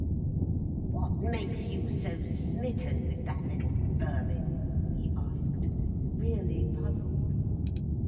"What makes you so smitten with that little vermin?" he asked, really puzzled.